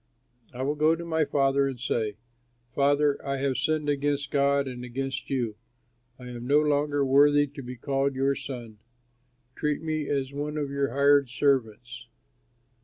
I will go to my father and say, 'Father, I have sinned against God and against you. I am no longer worthy to be called your son. Treat me as one of your hired servants.'